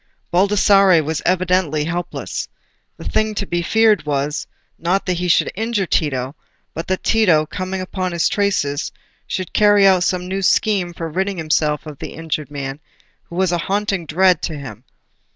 Baldassarre was evidently helpless: the thing to be feared was, not that he should injure Tito, but that Tito, coming upon his traces, should carry out some new scheme for ridding himself of the injured man who was a haunting dread to him.